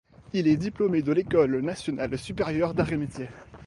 Il est diplômé de l’École Nationale Supérieure d'Arts et Métiers.